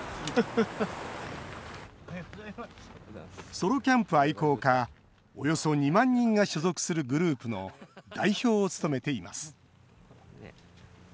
ソロキャンプ愛好家およそ２万人が所属するグループの代表を務めています。